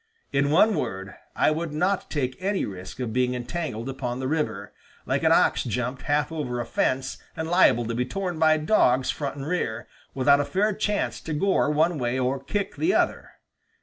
In one word, I would not take any risk of being entangled upon the river, like an ox jumped half over a fence and liable to be torn by dogs front and rear, without a fair chance to gore one way or kick the other."